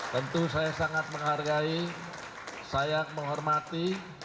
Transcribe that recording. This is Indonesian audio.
tentu saya sangat menghargai saya menghormati